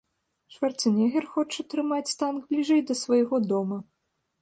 Шварцэнегер хоча трымаць танк бліжэй да свайго дома.